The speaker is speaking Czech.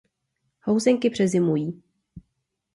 Housenky přezimují.